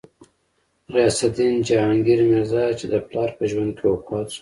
غیاث الدین جهانګیر میرزا، چې د پلار په ژوند کې وفات شو.